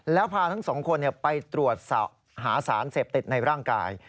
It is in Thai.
แล้วพาทั้งสองคนไปตรวจหาสารเสพติดในร่างกาย